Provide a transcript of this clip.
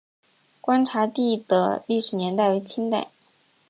观察第的历史年代为清代。